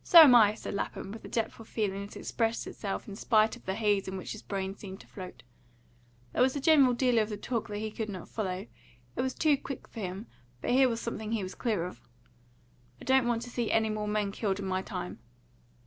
"So am I," said Lapham, with a depth of feeling that expressed itself in spite of the haze in which his brain seemed to float. There was a great deal of the talk that he could not follow; it was too quick for him; but here was something he was clear of. "I don't want to see any more men killed in my time."